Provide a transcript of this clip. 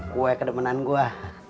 kue kedemenan gua